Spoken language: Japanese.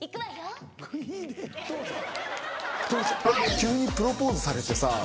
「急にプロポーズされてさ」。